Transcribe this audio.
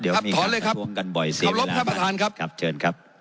ครับถอนเลยครับกันบ่อยเสียเวลาครับครับเชิญครับ